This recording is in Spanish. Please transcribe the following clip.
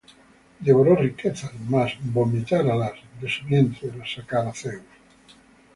Devoró riquezas, mas vomitarálas; De su vientre las sacará Dios.